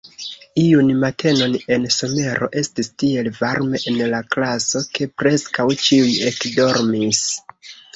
Iun matenon en somero, estis tiel varme en la klaso, ke preskaŭ ĉiuj ekdormis.